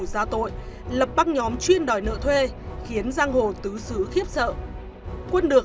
trong cuộc giá tội lập băng nhóm chuyên đòi nợ thuê khiến giang hồ tứ xứ khiếp sợ quân được